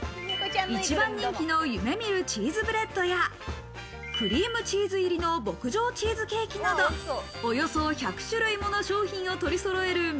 一番人気のゆめミルチーズブレッドや、クリームチーズ入りの牧場チーズケーキなど、およそ１００種類もの商品を取りそろえる